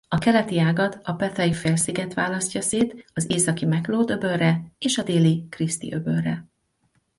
A keleti ágat a Pethei-félsziget választja szét az északi McLeod-öbölre és a déli Christie-öbölre.